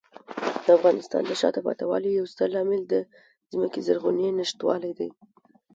د افغانستان د شاته پاتې والي یو ستر عامل د ځمکې زرغونې نشتوالی دی.